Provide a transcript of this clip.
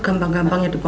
pokoknya tak jadi pak